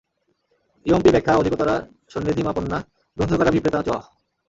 ইয়মপি ব্যাখ্যা অধিকতরা সন্নিধিমাপন্না গ্রন্থকারাভিপ্রেতা চ।